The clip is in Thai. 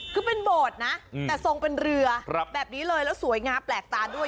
คือเป็นโบสถ์นะแต่ทรงเป็นเรือแบบนี้เลยแล้วสวยงามแปลกตาด้วย